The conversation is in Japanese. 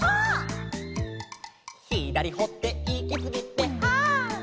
「ひだりほっていきすぎてはっ」